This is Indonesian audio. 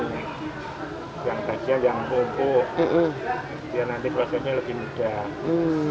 daging yang kajal yang rumpuk biar nanti prosesnya lebih mudah